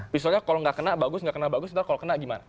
misalnya kalau nggak kena bagus nggak kena bagus ntar kalau kena gimana